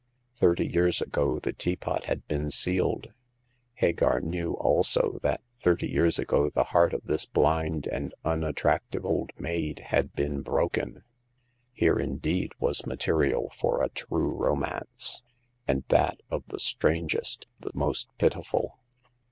Thirty years ago the teapot had been sealed ; Hagar knew also that thirty years ago the heart of this blind and unat tractive old maid had been broken. Here indeed was material for a true romance— and that of the strangest, the most pitiful.